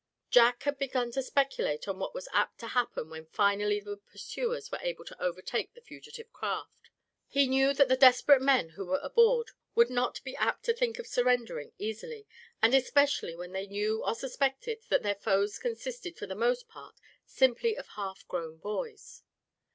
Jack had begun to speculate on what was apt to happen when finally the pursuers were able to overtake the fugitive craft. He knew that the desperate men who were aboard would not be apt to think of surrendering easily, and especially when they knew or suspected that their foes consisted for the most part simply of half grown boys.